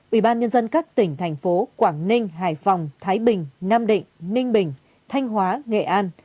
ba ubnd các tỉnh thành phố quảng ninh hải phòng thái bình nam định ninh bình thanh hóa nghệ an